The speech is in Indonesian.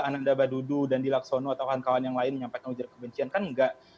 menanda badudu dandilaksono atau kawan kawan yang lain menyampaikan ujaran kebencian kan enggak